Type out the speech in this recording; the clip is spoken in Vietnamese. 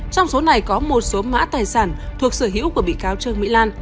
trong số này có một số mã tài sản thuộc sở hữu của bị cáo trương mỹ lan